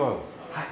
はい。